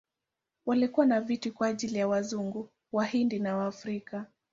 Kulikuwa na viti kwa ajili ya Wazungu, Wahindi na Waafrika.